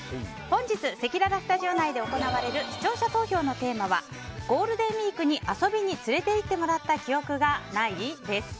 本日せきららスタジオ内で行われる視聴者投票のテーマはゴールデンウィークに遊びに連れて行ってもらった記憶がない？です。